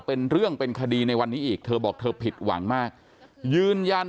เป็นเรื่องเป็นคดีในวันนี้อีกเธอบอกเธอผิดหวังมากยืนยัน